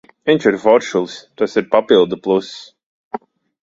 Viņš ir foršulis, tas ir papildu pluss.